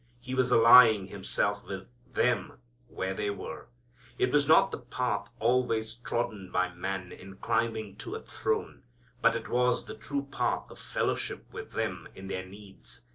He was allying Himself with them where they were. It was not the path always trodden by man in climbing to a throne. But it was the true path of fellowship with them in their needs.